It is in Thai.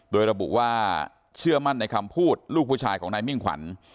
โดยระบุว่าเชื่อมั่นในคำพูดลูกผู้ชายของนายมิ่งขวัญ